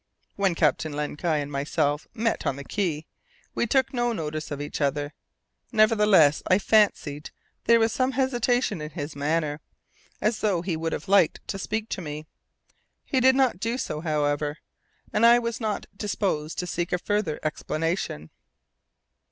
When Captain Len Guy and myself met on the quay, we took no notice of each other; nevertheless, I fancied there was some hesitation in his manner; as though he would have liked to speak to me. He did not do so, however, and I was not disposed to seek a further explanation.